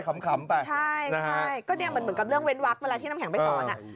ใช่ก็เหมือนกับเรื่องเว้นวัสค์เวลาที่น้ำแข็งไปสอน